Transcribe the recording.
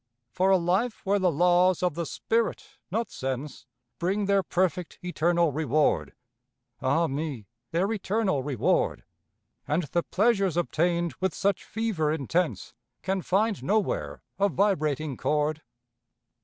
For a life where the laws of the spirit, not sense, Bring their perfect eternal reward, (Ah me, their eternal reward!) And the pleasures obtained with such fever intense Can find nowhere a vibrating chord?